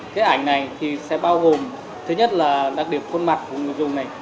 cái ảnh này thì sẽ bao gồm thứ nhất là đặc điểm khuôn mặt của người dùng này